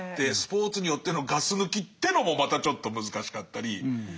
スポーツによってのガス抜きってのもまたちょっと難しかったり。